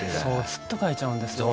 ずっと描いちゃうんですよ。